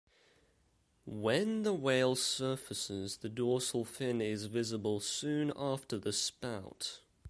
When the whale surfaces, the dorsal fin is visible soon after the spout.